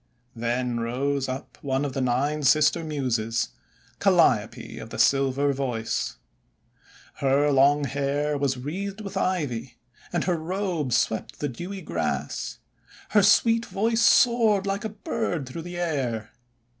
Then rose up one of the Nine Sister Muses, Calliope of the Silver Voice. Her long hair was wreathed with ivy, and her robe swept the dewy grass. Her sweet voice soared like a bird through the air.